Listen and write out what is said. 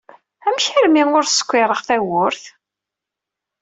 Amek armi ur skiṛeɣ tawwurt?